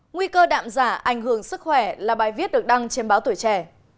nguy cơ đạm giả ảnh hưởng sức khỏe là bài viết được đăng trên báo tuổi trẻ